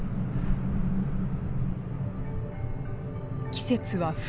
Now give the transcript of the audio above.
季節は冬。